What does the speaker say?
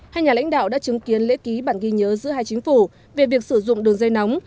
hai nhà lãnh đạo đã chứng kiến lễ ký bản ghi nhớ giữa hai chính phủ về việc sử dụng đường dây nóng